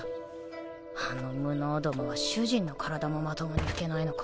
あの無能どもは主人の体もまともに拭けないのか。